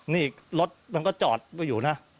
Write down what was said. นี่รถมันก็จอดไว้อยู่นะ